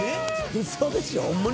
ウソでしょ？